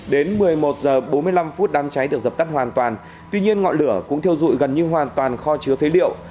đến một mươi một h bốn mươi năm đám cháy được dập tắt hoàn toàn tuy nhiên ngọn lửa cũng thiêu dụi gần như hoàn toàn kho chứa phế liệu